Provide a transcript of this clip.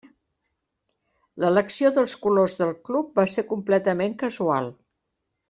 L'elecció dels colors del club va ser completament casual.